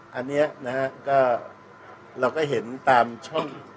เมื่อวานนี้นะครับไออันเนี้ยนะฮะก็เราก็เห็นตามช่อง